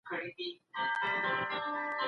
که روغتيايي اسانتياوې برابرې سي خلګ به هوسا سي.